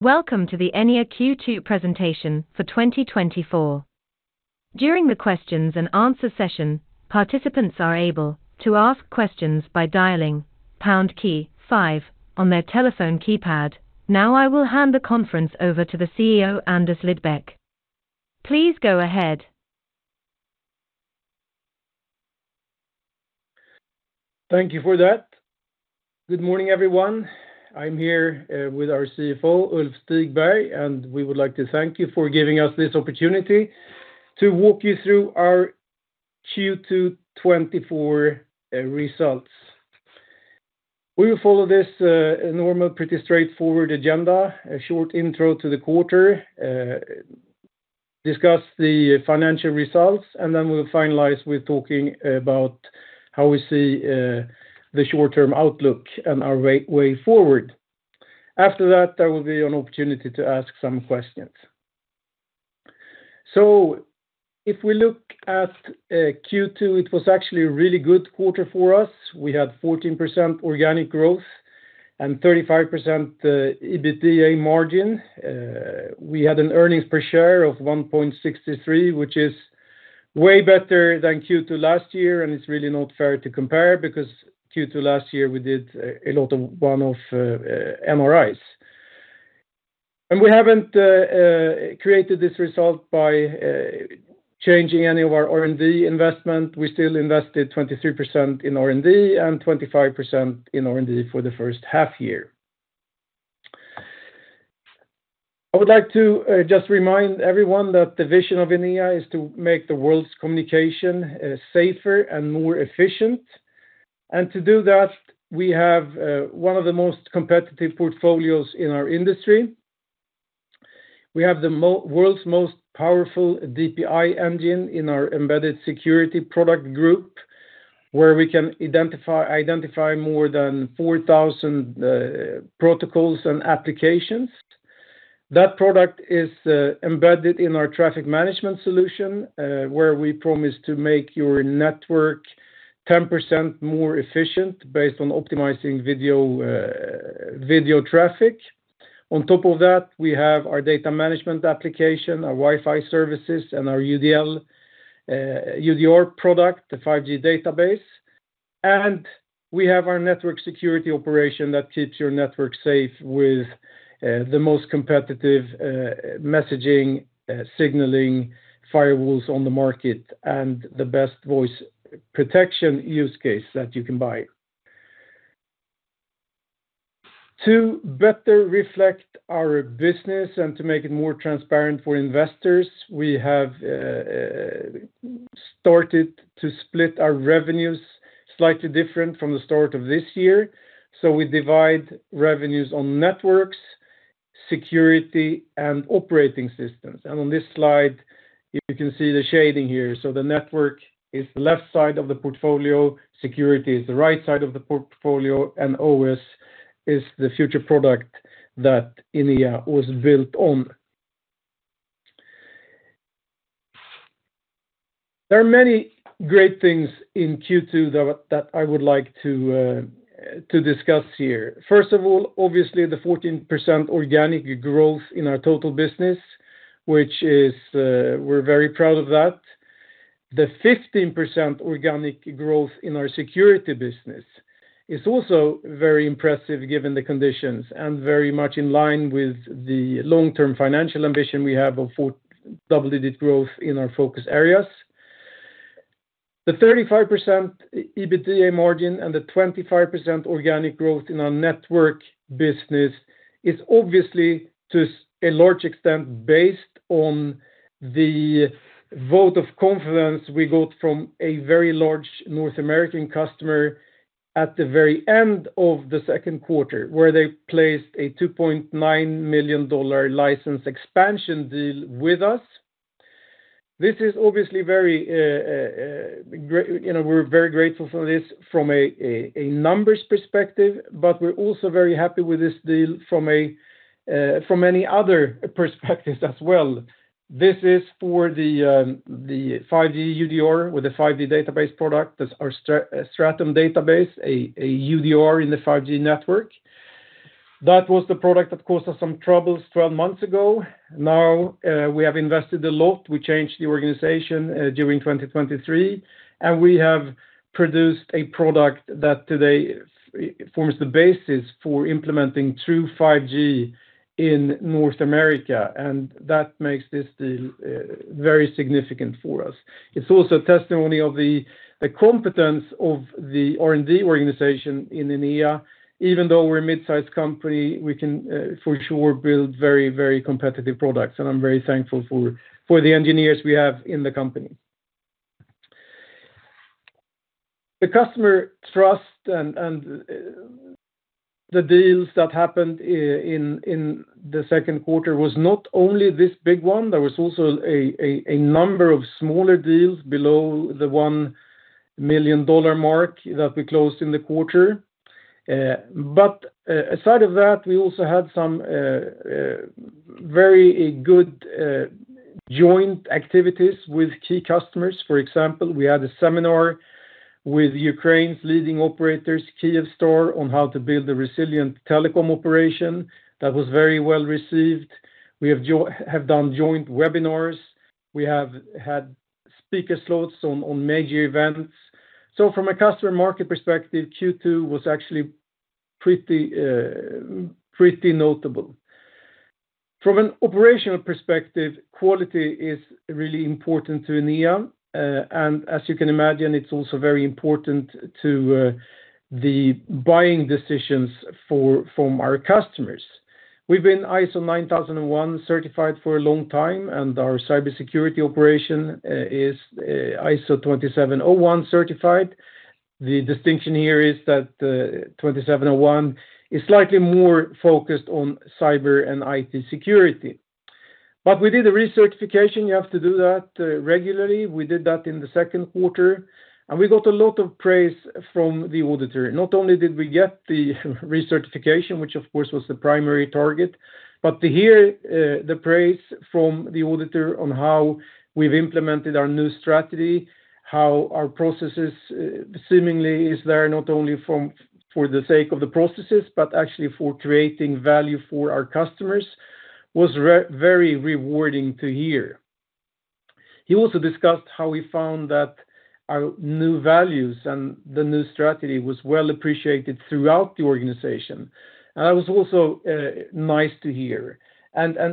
Welcome to the Enea Q2 presentation for 2024. During the questions and answer session, participants are able to ask questions by dialing pound key five on their telephone keypad. Now, I will hand the conference over to the CEO, Anders Lidbeck. Please go ahead. Thank you for that. Good morning, everyone. I'm here with our CFO, Ulf Stigberg, and we would like to thank you for giving us this opportunity to walk you through our Q2 2024 results. We will follow this normal, pretty straightforward agenda, a short intro to the quarter, discuss the financial results, and then we'll finalize with talking about how we see the short-term outlook and our way, way forward. After that, there will be an opportunity to ask some questions. So if we look at Q2, it was actually a really good quarter for us. We had 14% organic growth and 35% EBITDA margin. We had an earnings per share of 1.63, which is way better than Q2 last year, and it's really not fair to compare because Q2 last year, we did a lot of one-off NRIs. We haven't created this result by changing any of our R&D investment. We still invested 23% in R&D and 25% in R&D for the first half year. I would like to just remind everyone that the vision of Enea is to make the world's communication safer and more efficient. And to do that, we have one of the most competitive portfolios in our industry. We have the world's most powerful DPI engine in our embedded security product group, where we can identify more than 4,000 protocols and applications. That product is embedded in our traffic management solution, where we promise to make your network 10% more efficient based on optimizing video, video traffic. On top of that, we have our data management application, our Wi-Fi services, and our UDL, UDR product, the 5G database. And we have our network security operation that keeps your network safe with the most competitive, messaging, signaling, firewalls on the market and the best voice protection use case that you can buy. To better reflect our business and to make it more transparent for investors, we have started to split our revenues slightly different from the start of this year, so we divide revenues on networks, security, and operating systems. And on this slide, you can see the shading here. So the network is the left side of the portfolio, security is the right side of the portfolio, and OS is the future product that Enea was built on. There are many great things in Q2 that I would like to discuss here. First of all, obviously, the 14% organic growth in our total business, which is, we're very proud of that. The 15% organic growth in our security business is also very impressive, given the conditions, and very much in line with the long-term financial ambition we have of double-digit growth in our focus areas. The 35% EBITDA margin and the 25% organic growth in our network business is obviously, to a large extent, based on the vote of confidence we got from a very large North American customer at the very end of the second quarter, where they placed a $2.9 million license expansion deal with us. This is obviously very great, you know, we're very grateful for this from a numbers perspective, but we're also very happy with this deal from any other perspective as well. This is for the 5G UDR with the 5G database product. That's our Stratum database, a UDR in the 5G network. That was the product that caused us some troubles 12 months ago. Now we have invested a lot. We changed the organization during 2023, and we have produced a product that today forms the basis for implementing true 5G in North America, and that makes this deal very significant for us. It's also a testimony of the competence of the R&D organization in Enea. Even though we're a mid-sized company, we can for sure build very, very competitive products, and I'm very thankful for the engineers we have in the company. The customer trust and the deals that happened in the second quarter was not only this big one, there was also a number of smaller deals below the $1 million mark that we closed in the quarter. But aside of that, we also had some very good joint activities with key customers. For example, we had a seminar with Ukraine's leading operators, Kyivstar, on how to build a resilient telecom operation. That was very well received. We have done joint webinars. We have had speaker slots on major events. So from a customer market perspective, Q2 was actually pretty notable. From an operational perspective, quality is really important to Enea. And as you can imagine, it's also very important to the buying decisions from our customers. We've been ISO 9001 certified for a long time, and our cybersecurity operation is ISO 27001 certified. The distinction here is that 27001 is slightly more focused on cyber and IT security. But we did a recertification. You have to do that regularly. We did that in the second quarter, and we got a lot of praise from the auditor. Not only did we get the recertification, which of course was the primary target, but to hear the praise from the auditor on how we've implemented our new strategy, how our processes seemingly is there, not only for the sake of the processes, but actually for creating value for our customers, was very rewarding to hear. He also discussed how we found that our new values and the new strategy was well appreciated throughout the organization, and that was also nice to hear.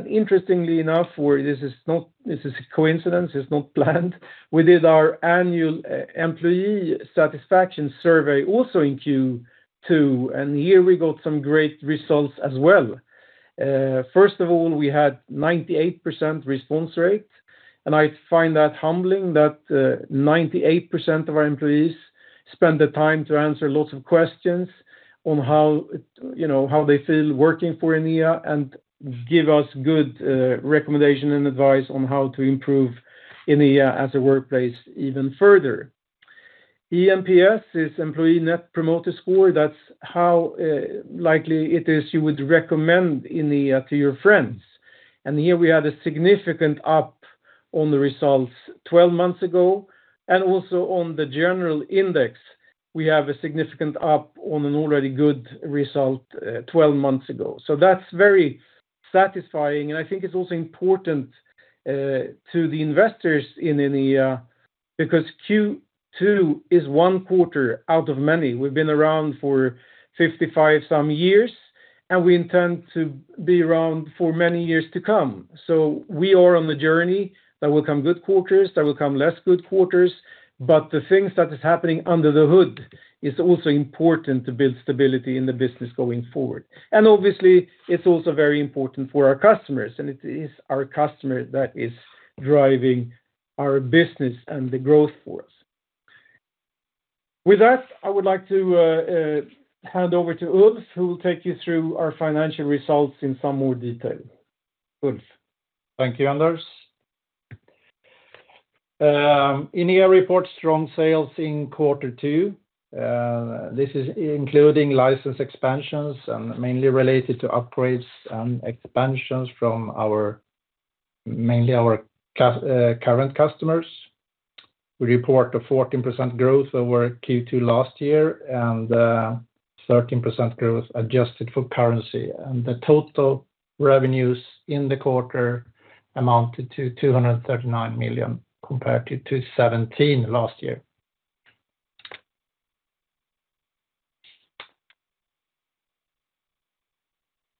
Interestingly enough, this is a coincidence, it's not planned. We did our annual employee satisfaction survey also in Q2, and here we got some great results as well. First of all, we had 98% response rate, and I find that humbling that 98% of our employees spend the time to answer lots of questions on how, you know, how they feel working for Enea and give us good recommendation and advice on how to improve Enea as a workplace even further. eNPS is Employee Net Promoter Score. That's how likely it is you would recommend Enea to your friends, and here we had a significant up on the results twelve months ago, and also on the general index, we have a significant up on an already good result twelve months ago. So that's very satisfying, and I think it's also important to the investors in Enea, because Q2 is one quarter out of many. We've been around for 55 some years, and we intend to be around for many years to come. So we are on the journey. There will come good quarters, there will come less good quarters, but the things that is happening under the hood is also important to build stability in the business going forward. And obviously, it's also very important for our customers, and it is our customer that is driving our business and the growth for us. With that, I would like to hand over to Ulf, who will take you through our financial results in some more detail. Ulf? Thank you, Anders. Enea reports strong sales in quarter two. This is including license expansions and mainly related to upgrades and expansions from our, mainly our current customers. We report a 14% growth over Q2 last year, and thirteen percent growth adjusted for currency. And the total revenues in the quarter amounted to 239 million, compared to 217 million last year.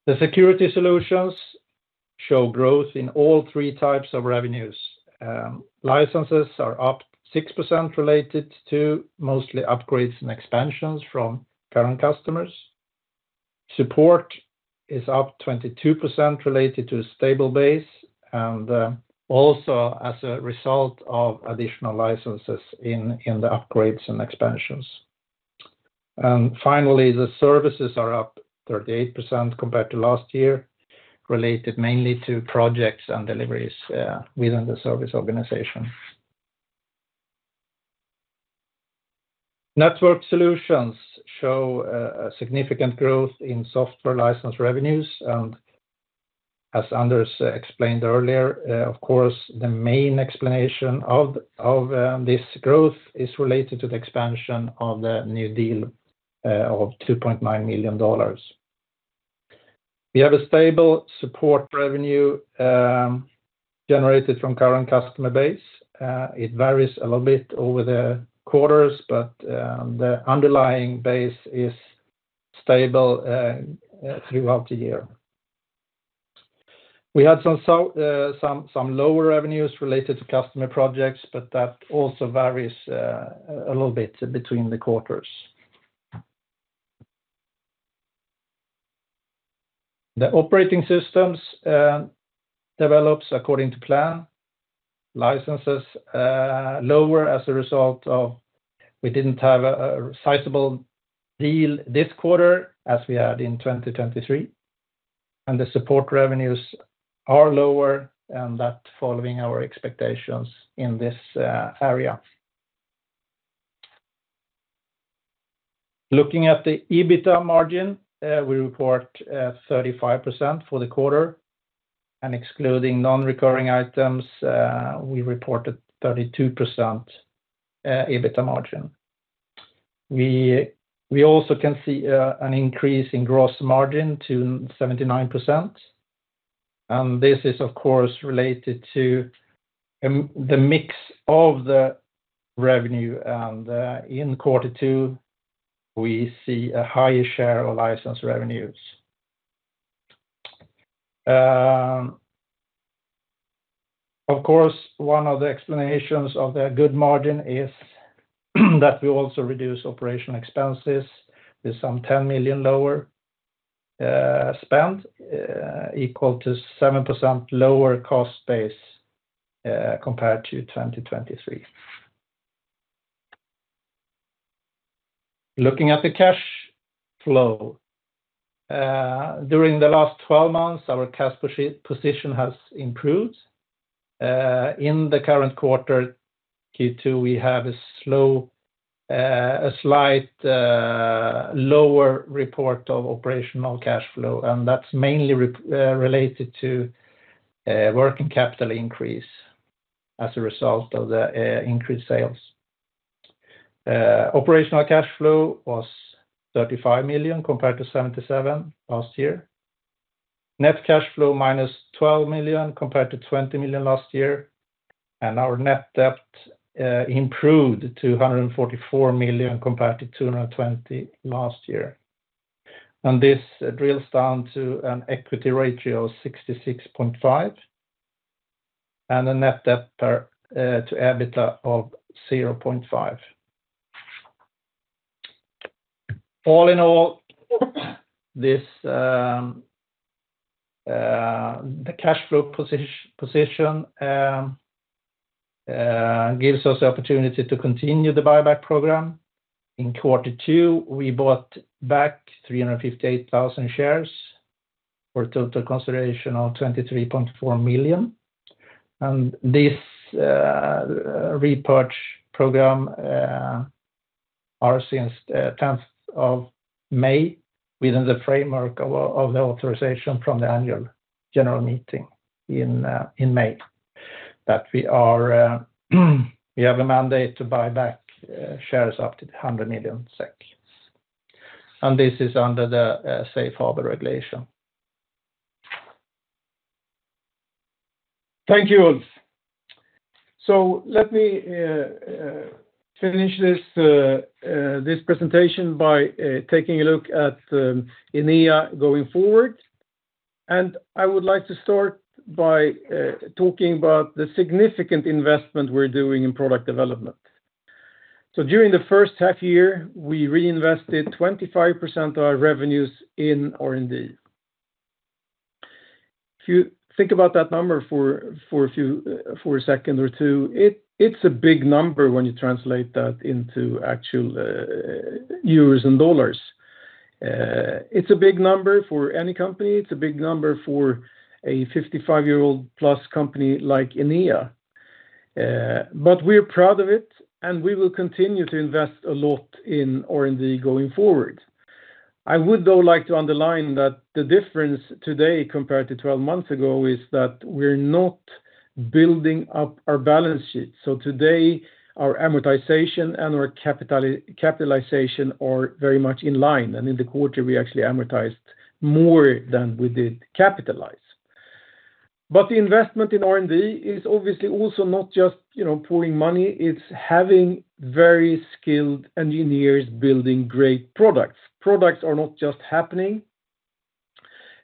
The security solutions show growth in all three types of revenues. Licenses are up 6%, related to mostly upgrades and expansions from current customers. Support is up 22%, related to a stable base, and also as a result of additional licenses in the upgrades and expansions. And finally, the services are up 38% compared to last year, related mainly to projects and deliveries within the service organization. Network solutions show a significant growth in software license revenues, and as Anders explained earlier, of course, the main explanation of this growth is related to the expansion of the new deal of $2.9 million. We have a stable support revenue generated from current customer base. It varies a little bit over the quarters, but the underlying base is stable throughout the year. We had some lower revenues related to customer projects, but that also varies a little bit between the quarters. The operating systems develops according to plan. Licenses lower as a result of we didn't have a sizable deal this quarter as we had in 2023, and the support revenues are lower, and that following our expectations in this area. Looking at the EBITDA margin, we report 35% for the quarter, and excluding non-recurring items, we reported 32% EBITDA margin. We also can see an increase in gross margin to 79%. And this is, of course, related to the mix of the revenue. And in quarter two, we see a higher share of license revenues. Of course, one of the explanations of the good margin is that we also reduce operational expenses with some 10 million lower spend, equal to 7% lower cost base, compared to 2023. Looking at the cash flow. During the last 12 months, our cash position has improved. In the current quarter, Q2, we have a slight lower report of operational cash flow, and that's mainly related to working capital increase as a result of the increased sales. Operational cash flow was 35 million compared to 77 million last year. Net cash flow, -12 million compared to 20 million last year, and our net debt improved to 144 million compared to 220 million last year. This drills down to an equity ratio of 66.5, and a net debt to EBITDA of 0.5. All in all, this, the cash flow position gives us the opportunity to continue the buyback program. In quarter two, we bought back 358,000 shares for a total consideration of 23.4 million. This repurchase program are since tenth of May, within the framework of the authorization from the annual general meeting in May, that we have a mandate to buy back shares up to 100 million SEK, and this is under the safe harbor regulation. Thank you, Ulf. So let me finish this presentation by taking a look at Enea going forward. And I would like to start by talking about the significant investment we're doing in product development. So during the first half year, we reinvested 25% of our revenues in R&D. If you think about that number for a second or two, it's a big number when you translate that into actual euros and dollars. It's a big number for any company. It's a big number for a 55-year-old-plus company like Enea. But we're proud of it, and we will continue to invest a lot in R&D going forward. I would, though, like to underline that the difference today, compared to 12 months ago, is that we're not building up our balance sheet. So today, our amortization and our capitalization are very much in line, and in the quarter, we actually amortized more than we did capitalize. But the investment in R&D is obviously also not just, you know, pouring money. It's having very skilled engineers building great products. Products are not just happening,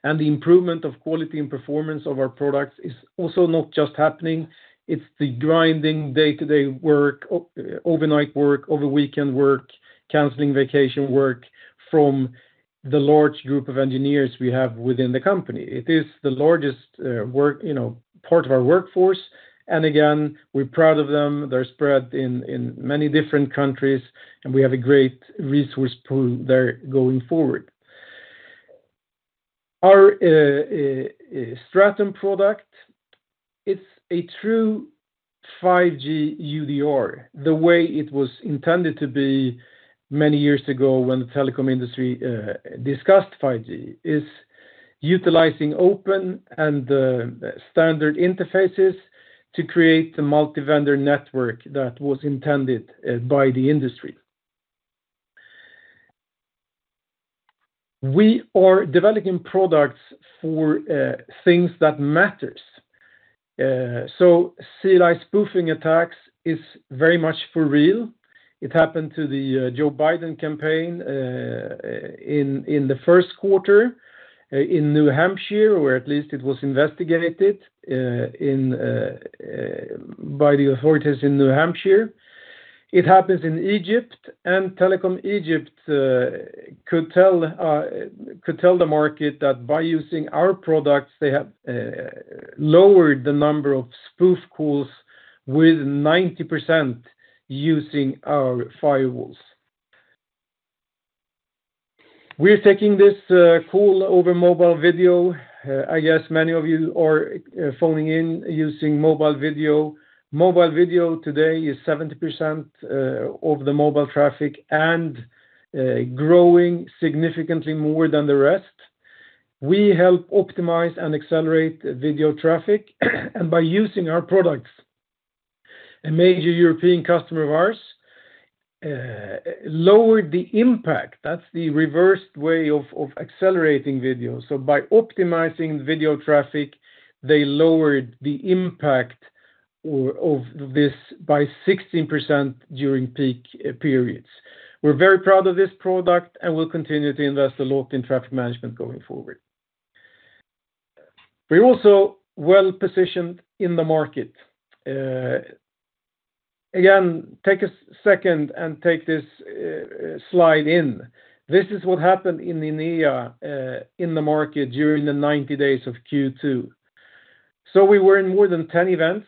and the improvement of quality and performance of our products is also not just happening. It's the grinding day-to-day work, overnight work, over weekend work, canceling vacation work from the large group of engineers we have within the company. It is the largest work, you know, part of our workforce, and again, we're proud of them. They're spread in many different countries, and we have a great resource pool there going forward. Our Stratum product, it's a true 5G UDR, the way it was intended to be many years ago when the telecom industry discussed 5G, is utilizing open and standard interfaces to create the multi-vendor network that was intended by the industry. We are developing products for things that matters. So CLI spoofing attacks is very much for real. It happened to the Joe Biden campaign in the first quarter in New Hampshire, where at least it was investigated by the authorities in New Hampshire. It happens in Egypt, and Telecom Egypt could tell, could tell the market that by using our products, they have lowered the number of spoof calls with 90% using our firewalls.... We're taking this call over mobile video. I guess many of you are phoning in using mobile video. Mobile video today is 70% of the mobile traffic, and growing significantly more than the rest. We help optimize and accelerate video traffic. By using our products, a major European customer of ours lowered the impact. That's the reverse way of accelerating video. So by optimizing video traffic, they lowered the impact of this by 16% during peak periods. We're very proud of this product, and we'll continue to invest a lot in traffic management going forward. We're also well-positioned in the market. Again, take a second and take this slide in. This is what happened in Enea in the market during the 90 days of Q2. So we were in more than 10 events.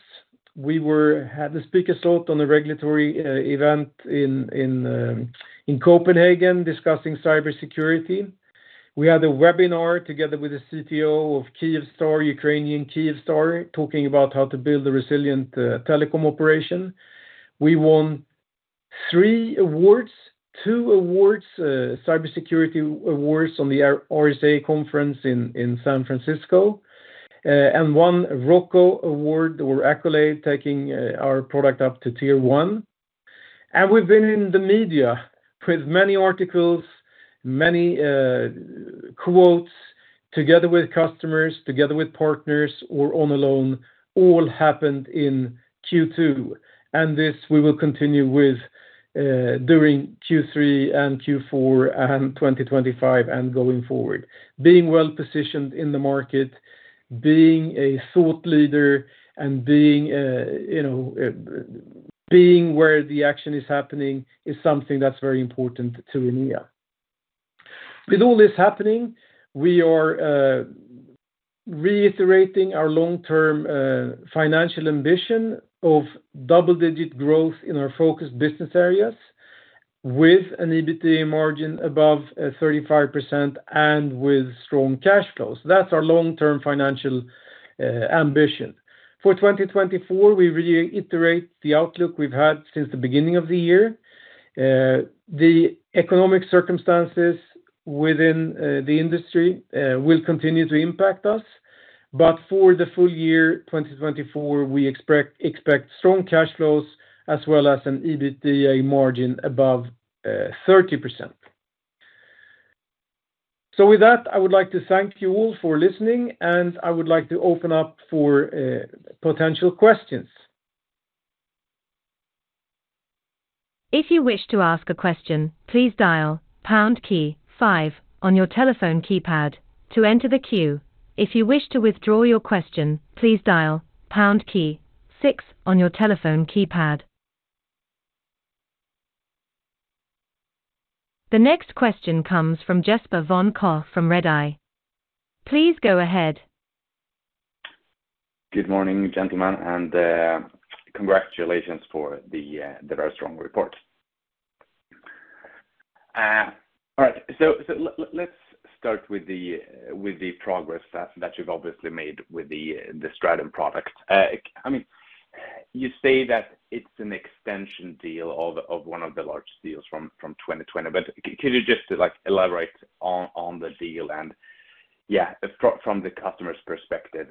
We had the speaker slot on the regulatory event in Copenhagen, discussing cybersecurity. We had a webinar together with the CTO of Kyivstar, Ukrainian Kyivstar, talking about how to build a resilient telecom operation. We won three awards, two awards, cybersecurity awards on the RSA conference in San Francisco, and one ROCCO award or accolade, taking our product up to tier one. And we've been in the media, print many articles, many quotes, together with customers, together with partners, or all alone, all happened in Q2. And this we will continue with during Q3 and Q4 and 2025, and going forward. Being well-positioned in the market, being a thought leader and being, you know, being where the action is happening is something that's very important to Enea. With all this happening, we are reiterating our long-term financial ambition of double-digit growth in our focused business areas, with an EBITDA margin above 35% and with strong cash flows. That's our long-term financial ambition. For 2024, we reiterate the outlook we've had since the beginning of the year. The economic circumstances within the industry will continue to impact us, but for the full year, 2024, we expect strong cash flows as well as an EBITDA margin above 30%. So with that, I would like to thank you all for listening, and I would like to open up for potential questions. If you wish to ask a question, please dial pound key five on your telephone keypad to enter the queue. If you wish to withdraw your question, please dial pound key six on your telephone keypad. The next question comes from Jesper von Koch from Redeye. Please go ahead. Good morning, gentlemen, and congratulations for the very strong report. All right, so let's start with the progress that you've obviously made with the Stratum product. I mean, you say that it's an extension deal of one of the large deals from 2020, but can you just, like, elaborate on the deal? And, yeah, from the customer's perspective,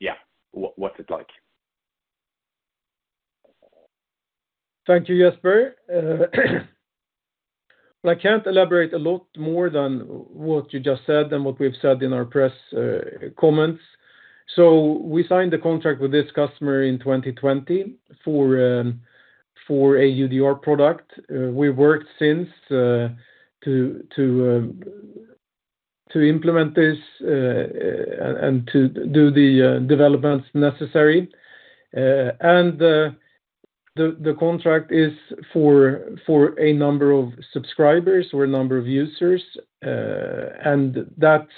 yeah, what's it like? Thank you, Jesper. I can't elaborate a lot more than what you just said and what we've said in our press comments. So we signed the contract with this customer in 2020 for a UDR product. We've worked since to implement this and to do the developments necessary. And the contract is for a number of subscribers or a number of users, and that's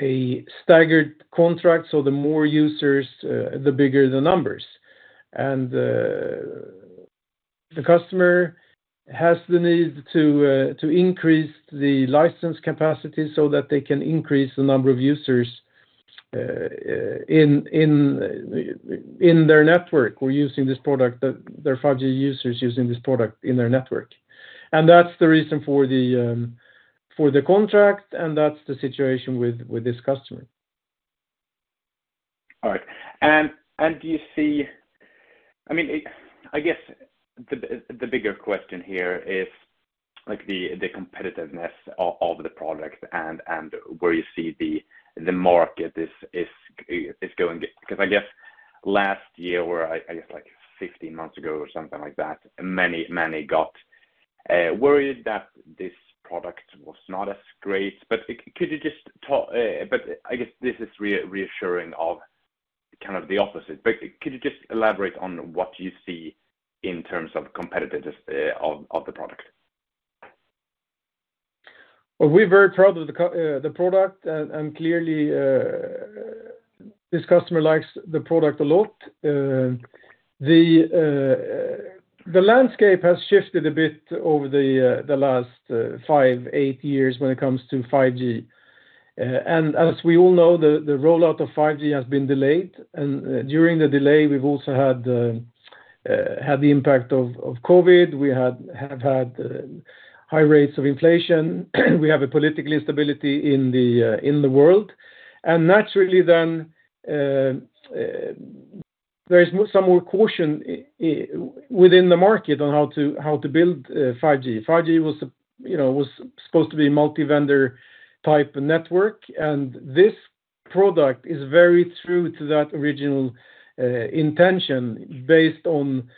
a staggered contract, so the more users, the bigger the numbers. And the customer has the need to increase the license capacity so that they can increase the number of users in their network. We're using this product, that their 5G users using this product in their network. That's the reason for the contract, and that's the situation with this customer. All right. Do you see? I mean, I guess the bigger question here is like the competitiveness of the product and where you see the market is going. Because I guess last year, where I guess like 15 months ago or something like that, many got worried that this product was not as great. But could you just talk, but I guess this is reassuring of kind of the opposite. But could you just elaborate on what you see in terms of competitors of the product? Well, we're very proud of the product, and clearly this customer likes the product a lot. The landscape has shifted a bit over the last 5-8 years when it comes to 5G. And as we all know, the rollout of 5G has been delayed, and during the delay, we've also had the impact of COVID, we have had high rates of inflation, we have a political instability in the world. And naturally then, there's some more caution within the market on how to build 5G. 5G was, you know, was supposed to be a multi-vendor type network, and this product is very true to that original intention, based on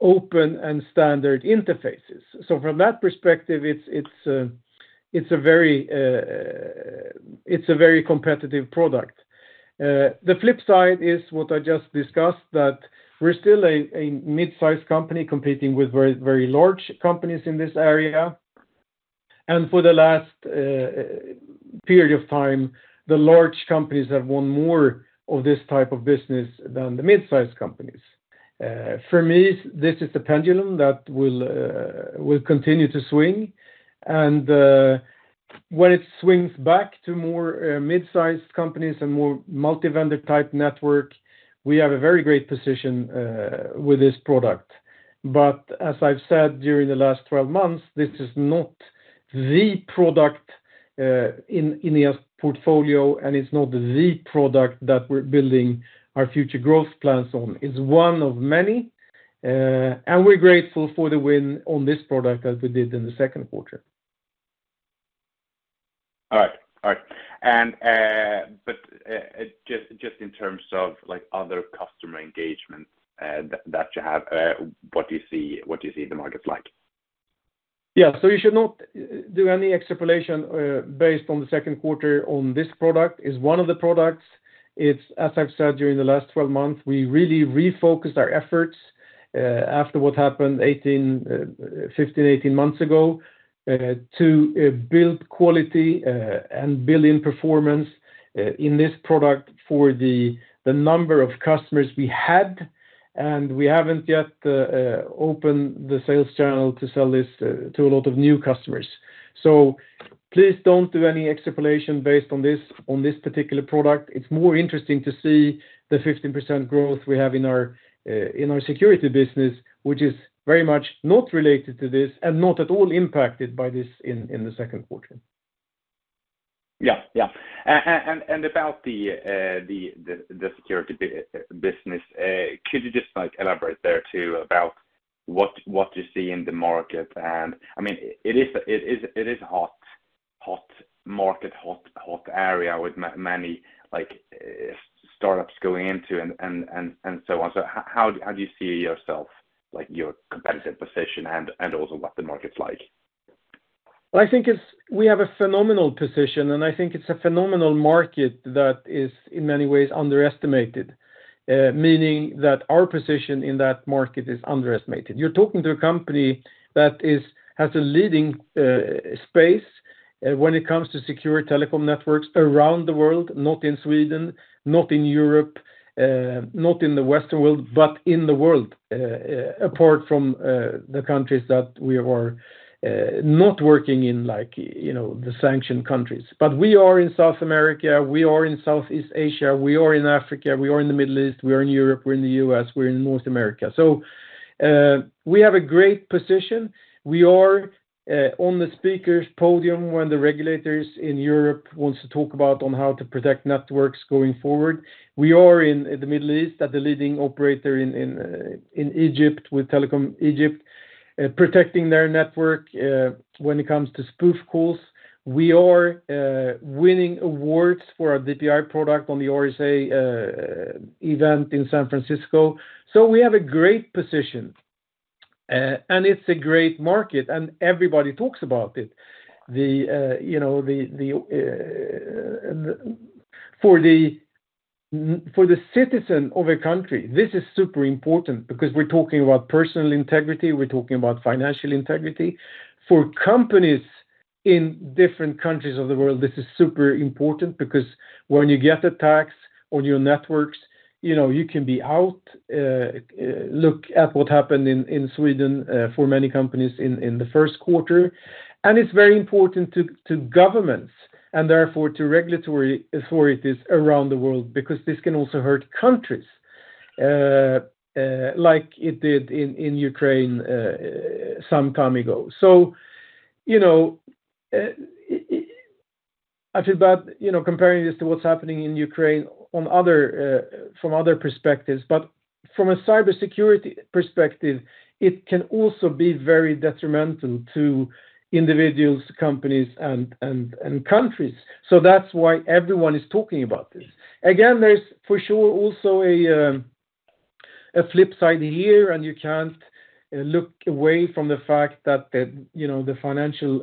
open and standard interfaces. So from that perspective, it's a very competitive product. The flip side is what I just discussed, that we're still a mid-sized company competing with very large companies in this area. And for the last period of time, the large companies have won more of this type of business than the mid-sized companies. For me, this is the pendulum that will continue to swing, and when it swings back to more mid-sized companies and more multi-vendor type network, we have a very great position with this product. But as I've said during the last 12 months, this is not the product in the portfolio, and it's not the product that we're building our future growth plans on. It's one of many, and we're grateful for the win on this product as we did in the second quarter. All right. All right. But just in terms of, like, other customer engagements that you have, what do you see the market like? Yeah, so you should not do any extrapolation based on the second quarter on this product. It is one of the products. It's, as I've said, during the last 12 months, we really refocused our efforts after what happened 18, 15, 18 months ago to build quality and build in performance in this product for the number of customers we had, and we haven't yet opened the sales channel to sell this to a lot of new customers. So please don't do any extrapolation based on this, on this particular product. It's more interesting to see the 15% growth we have in our security business, which is very much not related to this and not at all impacted by this in the second quarter. Yeah. Yeah. And about the security business, could you just, like, elaborate there too, about what you see in the market? And, I mean, it is a hot market, hot area with many like, startups going into and so on. So how do you see yourself, like, your competitive position and also what the market's like? Well, I think we have a phenomenal position, and I think it's a phenomenal market that is, in many ways, underestimated. Meaning that our position in that market is underestimated. You're talking to a company that has a leading space when it comes to secure telecom networks around the world, not in Sweden, not in Europe, not in the Western world, but in the world, apart from the countries that we are not working in, like, you know, the sanctioned countries. But we are in South America, we are in Southeast Asia, we are in Africa, we are in the Middle East, we are in Europe, we're in the U.S., we're in North America. So, we have a great position. We are on the speakers' podium when the regulators in Europe wants to talk about on how to protect networks going forward. We are in the Middle East, at the leading operator in Egypt, with Telecom Egypt protecting their network when it comes to spoof calls. We are winning awards for our DPI product on the RSA event in San Francisco. So we have a great position and it's a great market, and everybody talks about it. You know, for the citizen of a country, this is super important because we're talking about personal integrity, we're talking about financial integrity. For companies in different countries of the world, this is super important because when you get attacks on your networks, you know, you can be out. Look at what happened in Sweden for many companies in the first quarter. It's very important to governments and therefore to regulatory authorities around the world, because this can also hurt countries like it did in Ukraine some time ago. You know, I feel bad, you know, comparing this to what's happening in Ukraine from other perspectives, but from a cybersecurity perspective, it can also be very detrimental to individuals, companies, and countries. So that's why everyone is talking about this. Again, there's for sure also a flip side here, and you can't look away from the fact that you know, the financial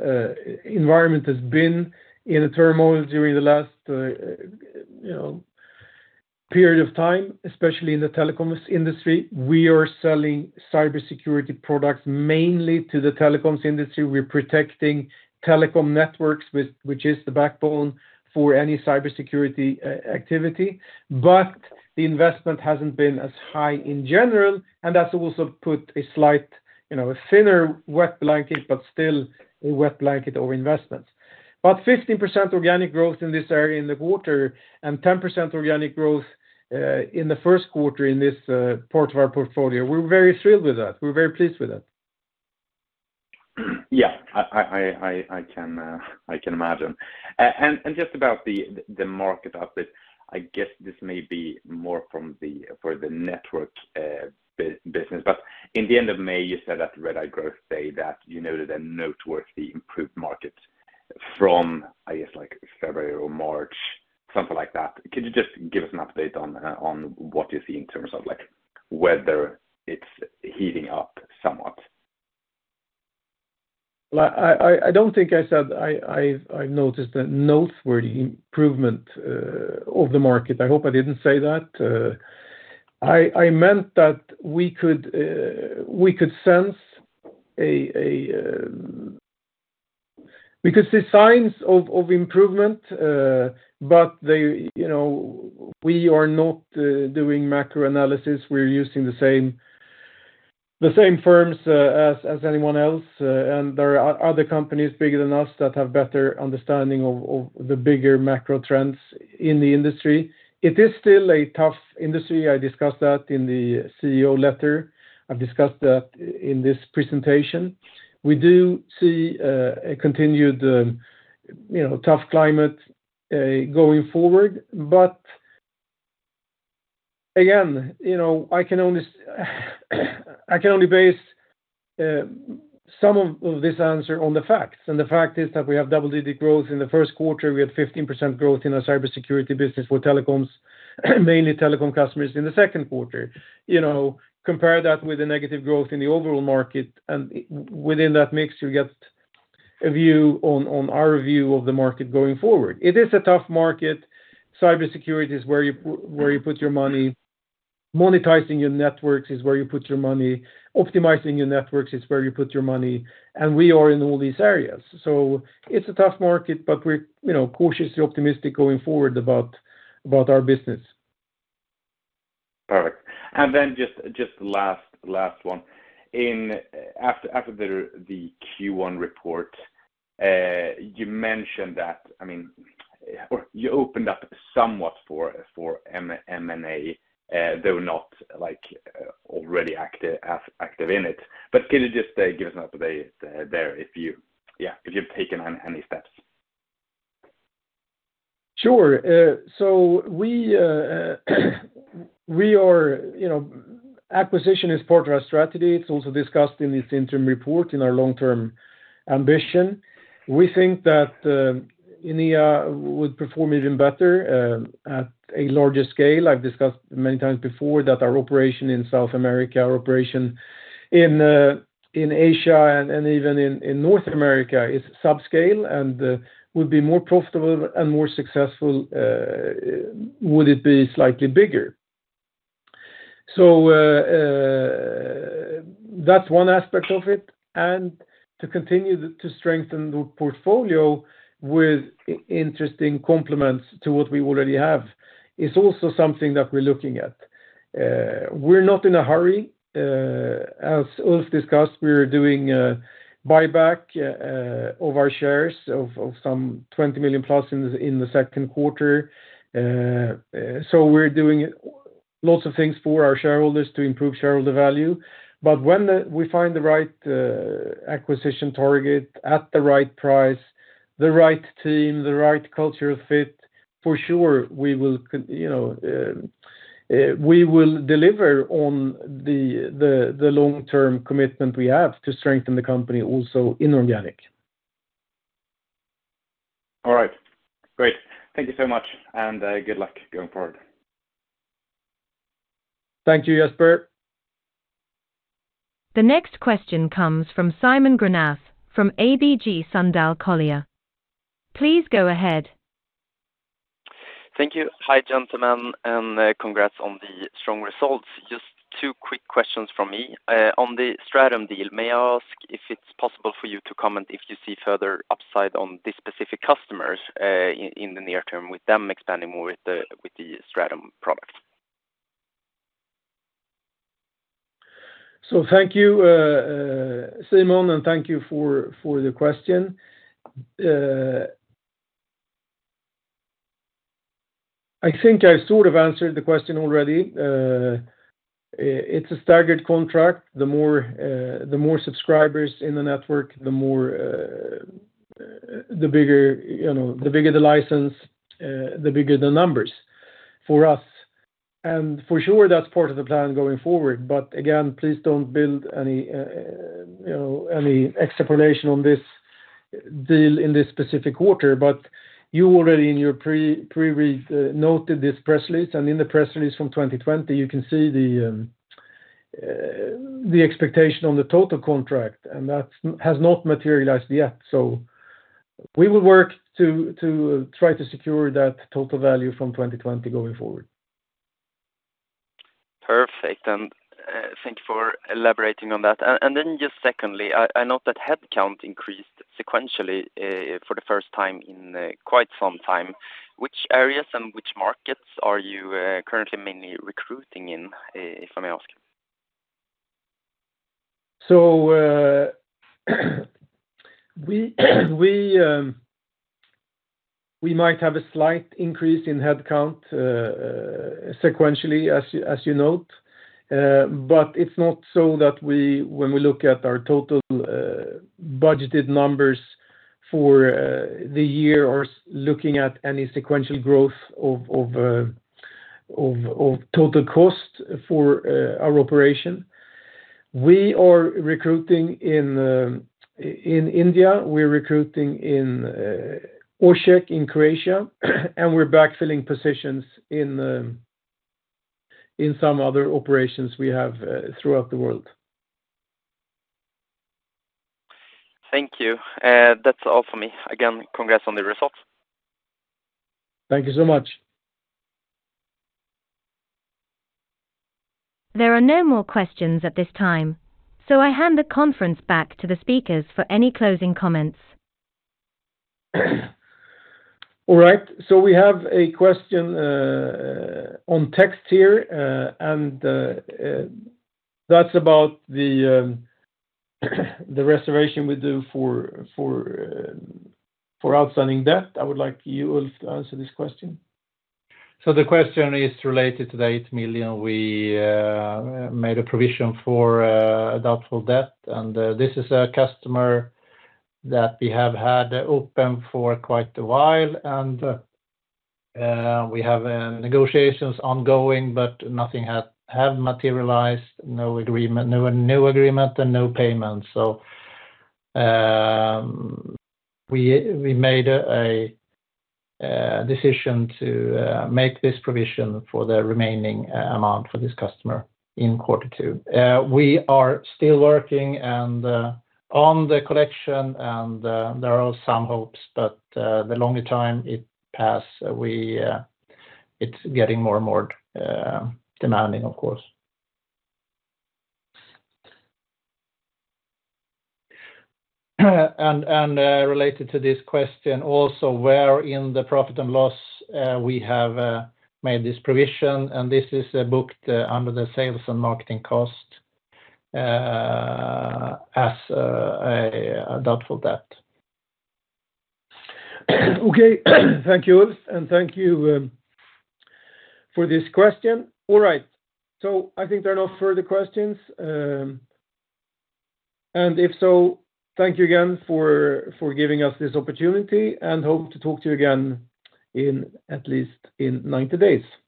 environment has been in a turmoil during the last you know, period of time, especially in the telecoms industry. We are selling cybersecurity products mainly to the telecoms industry. We're protecting telecom networks, which is the backbone for any cybersecurity activity. But the investment hasn't been as high in general, and that's also put a slight, you know, a thinner wet blanket, but still a wet blanket over investments. But 15% organic growth in this area in the quarter, and 10% organic growth in the first quarter in this part of our portfolio, we're very thrilled with that. We're very pleased with that. Yeah, I can imagine. And just about the market update, I guess this may be more for the network business. But in the end of May, you said at the Redeye Growth Day that you noted a noteworthy improved market from, I guess, like February or March, something like that. Could you just give us an update on what you see in terms of, like, whether it's heating up somewhat? Well, I don't think I said I've noticed a noteworthy improvement of the market. I hope I didn't say that. I meant that we could see signs of improvement, but, you know, we are not doing macro analysis. We're using the same firms as anyone else, and there are other companies bigger than us that have better understanding of the bigger macro trends in the industry. It is still a tough industry. I discussed that in the CEO letter. I've discussed that in this presentation. We do see a continued, you know, tough climate going forward. But again, you know, I can only—I can only base some of this answer on the facts, and the fact is that we have double-digit growth in the first quarter. We had 15% growth in our cybersecurity business for telecoms, mainly telecom customers in the second quarter. You know, compare that with the negative growth in the overall market, and within that mix, you get a view on our view of the market going forward. It is a tough market. Cybersecurity is where you put your money, monetizing your networks is where you put your money, optimizing your networks is where you put your money, and we are in all these areas. So it's a tough market, but we're, you know, cautiously optimistic going forward about our business. Perfect. And then just last one. After the Q1 report, you mentioned that, I mean, or you opened up somewhat for M&A, though not like already active, as active in it. But can you just give us an update there if you, yeah, if you've taken any steps? Sure. So we, we are, you know, acquisition is part of our strategy. It's also discussed in this interim report, in our long-term ambition. We think that, Enea would perform even better, at a larger scale. I've discussed many times before that our operation in South America, our operation in, in Asia and, and even in, in North America is subscale and, would be more profitable and more successful, would it be slightly bigger. So, that's one aspect of it, and to continue to strengthen the portfolio with interesting complements to what we already have is also something that we're looking at. We're not in a hurry. As Ulf discussed, we're doing a buyback, of our shares of, of some 20 million+ in the, in the second quarter. So, we're doing lots of things for our shareholders to improve shareholder value. But when we find the right acquisition target at the right price, the right team, the right cultural fit, for sure, you know, we will deliver on the long-term commitment we have to strengthen the company also inorganic. All right. Great. Thank you so much, and good luck going forward. Thank you, Jesper. The next question comes from Simon Granath, from ABG Sundal Collier. Please go ahead. Thank you. Hi, gentlemen, and congrats on the strong results. Just two quick questions from me. On the Stratum deal, may I ask if it's possible for you to comment if you see further upside on the specific customers in the near term with them expanding more with the Stratum product? So thank you, Simon, and thank you for the question. I think I sort of answered the question already. It's a staggered contract. The more subscribers in the network, the bigger, you know, the bigger the license, the bigger the numbers for us. And for sure, that's part of the plan going forward. But again, please don't build any, you know, any extrapolation on this deal in this specific quarter. But you already, in your pre-read, noted this press release, and in the press release from 2020, you can see the expectation on the total contract, and that has not materialized yet. So we will work to try to secure that total value from 2020 going forward. ... Perfect, and thank you for elaborating on that. And then just secondly, I note that headcount increased sequentially for the first time in quite some time. Which areas and which markets are you currently mainly recruiting in, if I may ask? So, we might have a slight increase in headcount, sequentially, as you note. But it's not so that when we look at our total budgeted numbers for the year or looking at any sequential growth of total cost for our operation. We are recruiting in India, we're recruiting in Osijek in Croatia, and we're backfilling positions in some other operations we have throughout the world. Thank you. That's all for me. Again, congrats on the results. Thank you so much. There are no more questions at this time, so I hand the conference back to the speakers for any closing comments. All right, so we have a question on text here, and that's about the reservation we do for outstanding debt. I would like you, Ulf, to answer this question. So the question is related to the 8 million we made a provision for doubtful debt, and this is a customer that we have had open for quite a while, and we have negotiations ongoing, but nothing has materialized, no agreement, no agreement and no payment. So, we made a decision to make this provision for the remaining amount for this customer in quarter two. We are still working on the collection, and there are some hopes, but the longer time it pass, it's getting more and more demanding, of course. And related to this question, also, where in the profit and loss we have made this provision, and this is booked under the sales and marketing cost as a doubtful debt. Okay, thank you, Ulf, and thank you for this question. All right, so I think there are no further questions, and if so, thank you again for giving us this opportunity and hope to talk to you again in at least 90 days.